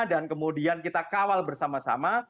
dan kemudian kita kawal bersama sama